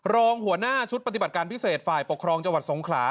รองหัวหน้าชุดปฏิบัติการพิเศษฝ่ายปกครองจังหวัดสงขลา